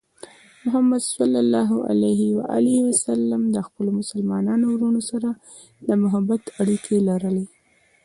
محمد صلى الله عليه وسلم د خپلو مسلمانو وروڼو سره د محبت اړیکې لرلې.